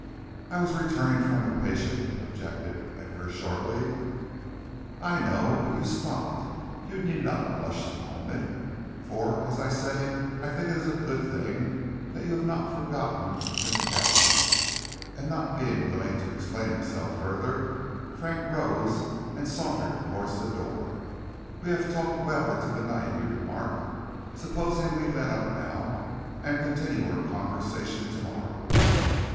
"I was returning from a patient," objected Edgar, shortly. "I know, but you stopped. You need not blush to own it, for, as I say, I think it a good thing that you have not forgotten Miss Cavanagh." And not being willing to explain himself further, Frank rose and sauntered towards the door. "We have talked well into the night," he remarked; "supposing we let up now, and continue our conversation to morrow."